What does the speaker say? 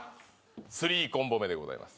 ３コンボ目でございます